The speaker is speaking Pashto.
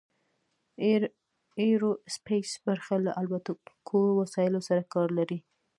ایرو سپیس برخه له الوتونکو وسایلو سره کار لري.